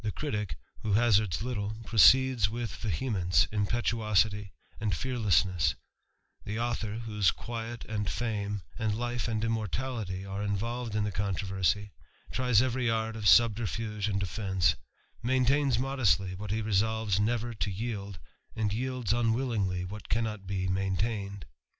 itick, who hazards little, proceeds with vehemence, osity, and fearlessness ; the author, whose quiet and md life and immortality, are involved in the con j^, tries every art of subterfuge and defence ; main lodestly what he resolves never to yield, and yields ngly what cannot be maintained.